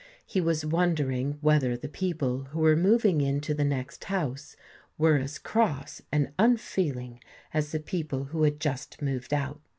He was wondering whether the people who were moving into the next house were as cross and unfeeling as the people who had just moved out.